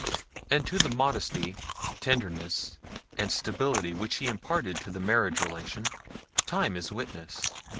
And to the modesty, tenderness, and stability which he imparted to the marriage relation, time is witness.